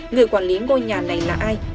người quản lý ngôi nhà này là ai